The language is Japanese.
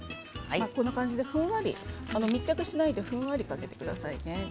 こんな感じでふんわり密着しないでふんわりかけてくださいね。